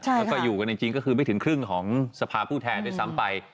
แล้วก็อยู่กันจริงก็คือไม่ถึงครึ่งของสภาผู้แทนด้วยซ้ำไป